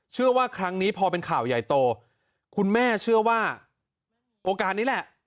เชื่อว่าครั้งนี้พอเป็นข่าวใหญ่โตคุณแม่เชื่อว่าโอกาสนี้แหละ